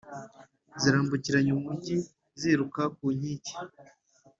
Zirambukiranya umugi ziruka ku nkike